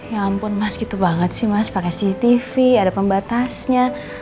ya ampun mas gitu banget sih mas pakai cctv ada pembatasnya